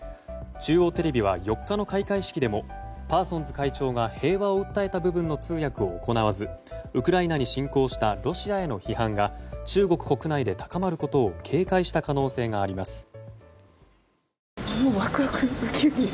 中央テレビは４日の開会式でもパーソンズ会長が平和を訴えた部分の通訳を行わずウクライナに侵攻したロシアへの批判が中国国内で高まることを警戒した可能性があります。